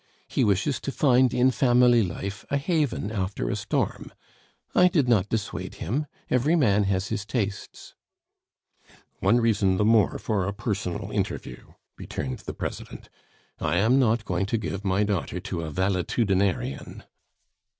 He wishes to find in family life a haven after a storm; I did not dissuade him; every man has his tastes " "One reason the more for a personal interview," returned the President. "I am not going to give my daughter to a valetudinarian."